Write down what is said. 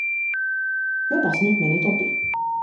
Jopas nyt meni Topi.